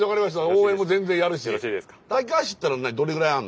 応援も全然やるし。